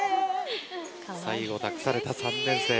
最後、託された３年生。